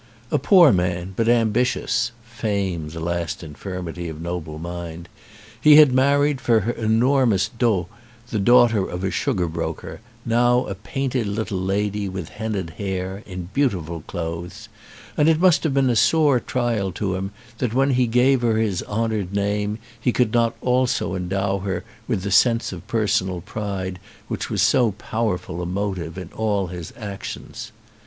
A poor man, but ambitious (fame, the last in firmity of noble mind) he had married for her enormous dot the daughter of a sugar broker, now a painted little lady with hennaed hair, in beautiful clothes; and it must have been a sore trial to him that when he gave her his honoured name he could not also endow her with the sense of personal pride which was so powerful a motive in all his actions.